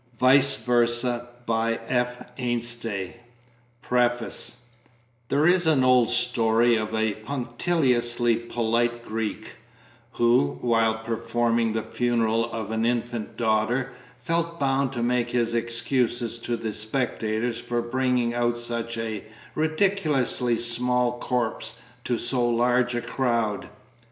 THE RECKONING 269 PREFACE There is an old story of a punctiliously polite Greek, who, while performing the funeral of an infant daughter, felt bound to make his excuses to the spectators for "bringing out such a ridiculously small corpse to so large a crowd."